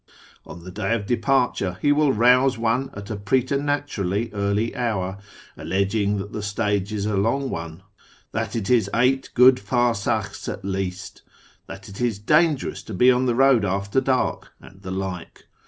On the day of departure he will rouse one at a preternaturally early hour, alleging that the stage is a long one, that it is eight good farsakhs at least, that it is dangerous to Ije on the road after dark, and the like.